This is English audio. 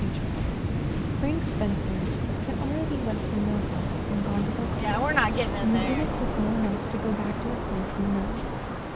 CHAPTER XL Frank Spencer had already left the Mill House and gone to Hilcrest when McGinnis was well enough to go back to his place in the mills.